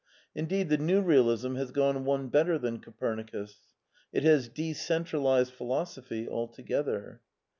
Indeed, the New Realism has gone one better than Coperni cus. It has de centralig jf id ^^^'lofjo phy altoget her.